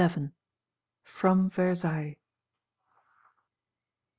XI. From Versailles.